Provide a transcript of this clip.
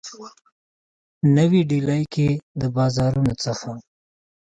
نوي ډیلي کي د بازارونو څخه